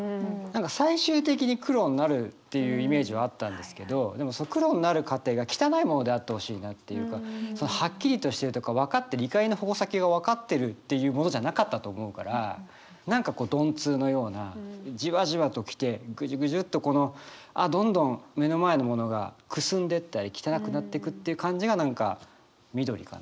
何か最終的に黒になるっていうイメージはあったんですけどでもその黒になる過程が汚いものであってほしいなっていうかはっきりとしてるとか分かってる怒りの矛先が分かってるっていうものじゃなかったと思うから何かこう鈍痛のようなジワジワと来てぐじゅぐじゅっとこのどんどん目の前のものがくすんでったり汚くなってくっていう感じが何か緑かなと思って。